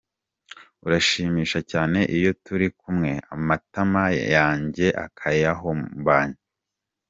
Uranshimisha cyane iyo turi kumwe, amatama yanjywe Akayahombanya.